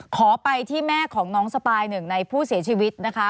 ขอไปที่แม่ของน้องสปายหนึ่งในผู้เสียชีวิตนะคะ